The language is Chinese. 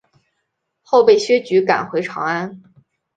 后被薛举赶回长安。